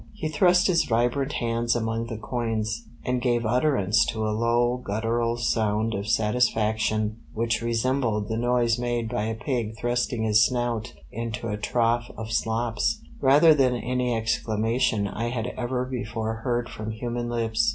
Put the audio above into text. He thrust his vibrant hands among the coins, and gave utterance to a low guttural sound of satisfaction which resembled the noise made by a pig thrusting its snout into a trough of slops, rather than any exclamation I had ever before heard from human lips.